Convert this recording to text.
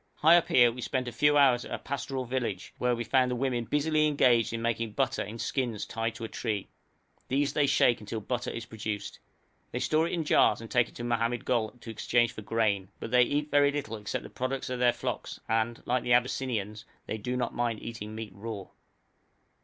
High up here we spent a few hours at a pastoral village, where we found the women busily engaged in making butter in skins tied to a tree; these they shake until butter is produced. They store it in jars, and take it to Mohammed Gol to exchange for grain, but they eat very little except the products of their flocks, and, like the Abyssinians, they do not mind eating meat raw.